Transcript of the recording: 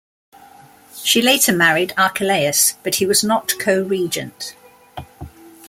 She later married Archelaus, but he was not co-regent.